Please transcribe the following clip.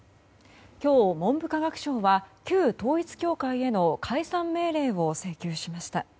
今日、文部科学省は旧統一教会への解散命令を請求しました。